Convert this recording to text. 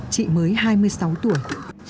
chị mới hai mươi sáu tuổi